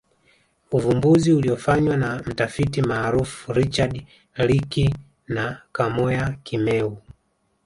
Uvumbuzi uliofanywa na mtafiti maarufu Richard Leakey na Kamoya Kimeu